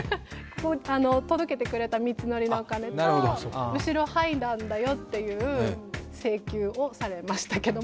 届けてくれた道のりのお金と、後ろ、はいだんだよっていう請求をされたんですけど。